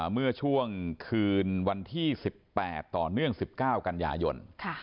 เมื่อช่วงคืนวันที่๑๘ต่อเนื่อง๑๙กันยายน